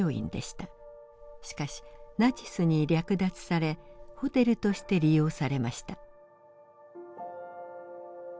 しかしナチスに略奪されホテルとして利用されました。